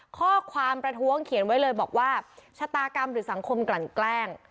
ข้อความประท้วงเขียนไว้เลยบอกว่าชะตากรรมหรือสังคมกลั่นแกล้ง